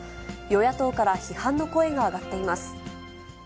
与野党から批判の声が上がっています。